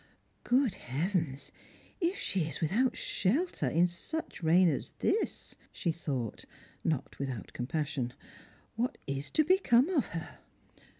" Good heavens, if she is without shelter in such rain as this !" she thought, not without compassion. "What is to become of her?"